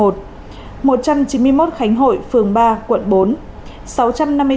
một trăm chín mươi một khánh hội phường ba quận bốn